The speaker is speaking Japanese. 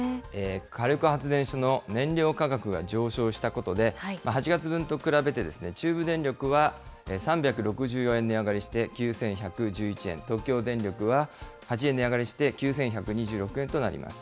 火力発電所の燃料価格が上昇したことで、８月分と比べて、中部電力は３６４円値上がりして、９１１１円、東京電力は８円値上がりして９１２６円となります。